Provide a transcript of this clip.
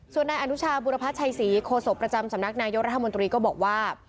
ส่วนนายอนุชาบุรพัชชัยศรีโคศกประจำสำนักนายกรัฐมนตรีก็บอกว่า